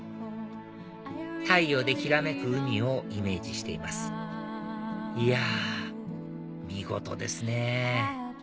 太陽できらめく海をイメージしていますいや見事ですね！